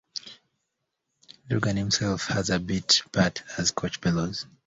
Dugan himself has a bit part as Coach Bellows.